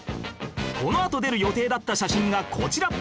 このあと出る予定だった写真がこちら